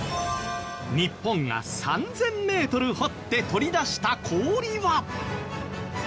日本が３０００メートル掘って取り出した氷は。